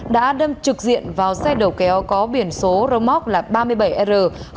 đã đâm trực diện vào xe đầu kéo có biển số rơmóc ba mươi bảy r ba nghìn chín trăm một mươi